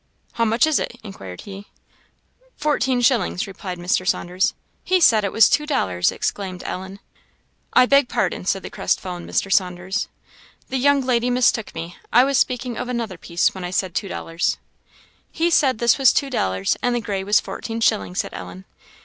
"How much is it?" inquired he. "Fourteen shillings," replied Mr. Saunders. "He said it was two dollars!" exclaimed Ellen. "I beg pardon," said the crest fallen Mr. Saunders "the young lady mistook me; I was speaking of another piece when I said two dollars." "He said this was two dollars, and the gray was fourteen shillings," said Ellen.